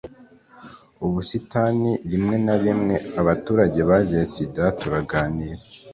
ubusitani rimwe na rimwe; abaturage bazize sida turaganira